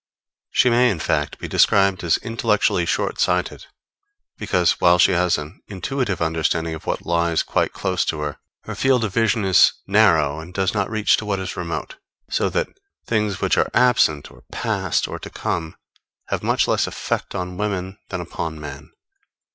She may, in fact, be described as intellectually short sighted, because, while she has an intuitive understanding of what lies quite close to her, her field of vision is narrow and does not reach to what is remote; so that things which are absent, or past, or to come, have much less effect upon women than upon men.